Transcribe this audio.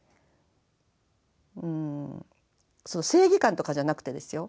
うんその正義感とかじゃなくてですよ。